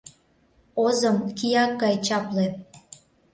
Озым кияк гай чапле.